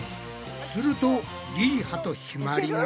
するとりりはとひまりが。